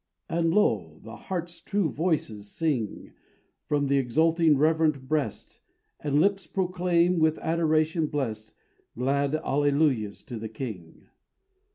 And lo! the heart's true voices sing From the exulting reverent breast, And lips proclaim, with adoration blessed, Glad Alleluias to the King.